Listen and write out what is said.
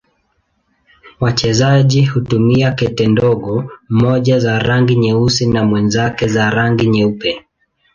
Wachezaji hutumia kete ndogo, mmoja za rangi nyeusi na mwenzake za rangi nyeupe.